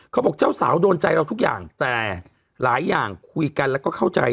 เขาบอกเจ้าสาวโดนใจเราทุกอย่างแต่หลายอย่างคุยกันแล้วก็เข้าใจ